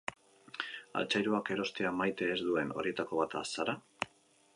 Altzairuak erostea maite ez duen horietako bat zara?